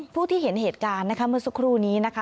ผู้ที่เห็นเหตุการณ์นะคะเมื่อสักครู่นี้นะคะ